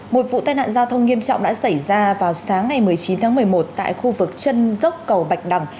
một vụ tai nạn giao thông nghiêm trọng đã xảy ra vào sáng ngày một mươi chín tháng một mươi một tại khu vực chân dốc cầu bạch đằng